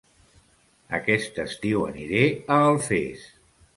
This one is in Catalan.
Aquest estiu aniré a Alfés